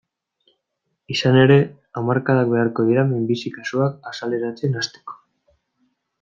Izan ere, hamarkadak beharko dira minbizi kasuak azaleratzen hasteko.